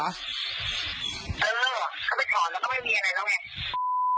เออจะได้ใช้ทรอนแล้วก็ไม่มีอะไรแล้วไง